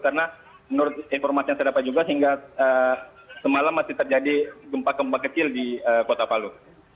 karena menurut informasi yang saya dapat juga semalam masih terjadi gempa gemba kecil di kota palu